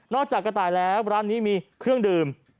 กระต่ายแล้วร้านนี้มีเครื่องดื่ม